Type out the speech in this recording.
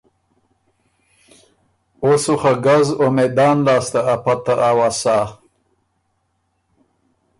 او سو خه ګز او مېندان لاسته ا پته اؤسا۔